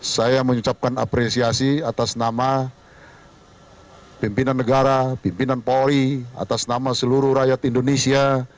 saya mengucapkan apresiasi atas nama pimpinan negara pimpinan polri atas nama seluruh rakyat indonesia